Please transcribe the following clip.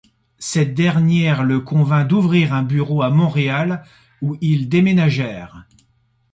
Cette dernière le convainc d'ouvrir un bureau à Montréal, où ils déménagèrent.